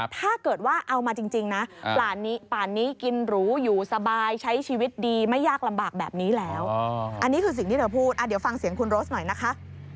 ถ้าเกิดว่าเอามาจริงนะป่านนี้กินหรูอยู่สบายใช้ชีวิตดีไม่ยากลำบากแบบนี้แล้วอันนี้คือสิ่งที่เธอพูดเดี๋ยวฟังเสียงคุณโรสหน่อยนะคะ